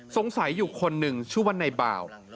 สงสัยอยู่คนหนึ่งชื่อว่านายบ่าว